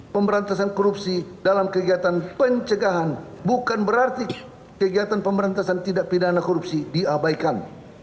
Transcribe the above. pemberantasan korupsi dalam kegiatan pencegahan bukan berarti kegiatan pemberantasan tidak pidana korupsi diabaikan